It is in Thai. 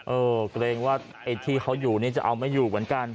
เกรงว่าไอ้ที่เขาอยู่นี่จะเอาไม่อยู่เหมือนกัน